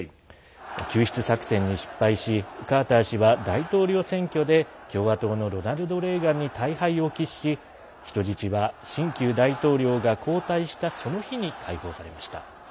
救出作戦に失敗しカーター氏は大統領選挙で共和党のロナルド・レーガンに大敗を喫し人質は新旧大統領が交代したその日に解放されました。